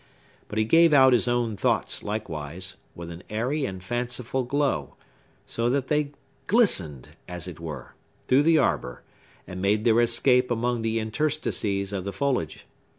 But he gave out his own thoughts, likewise, with an airy and fanciful glow; so that they glistened, as it were, through the arbor, and made their escape among the interstices of the foliage.